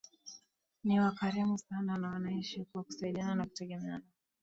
Ni wakarimu sana na wanaishi kwa kusaidiana na kutegemeana